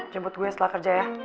jemput gue setelah kerja ya